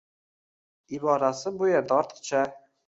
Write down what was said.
iborasi bu yerda ortiqcha.